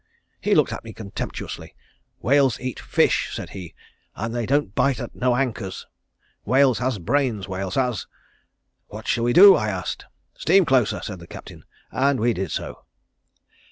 He looked at me contemptuously. 'Whales eats fish,' said he, 'and they don't bite at no anchors. Whales has brains, whales has.' 'What shall we do?' I asked. 'Steam closer,' said the Captain, and we did so."